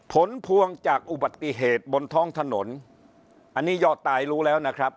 ผลพวงจากอุบัติเหตุบนท้องถนนอันนี้ยอดตายรู้แล้วนะครับ